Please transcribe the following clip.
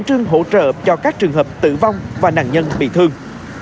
trường hợp tử vong và nạn nhân bị thương